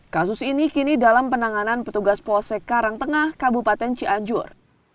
kasus ini kini dalam penanganan petugas polsek karangtengah kabupaten cianjur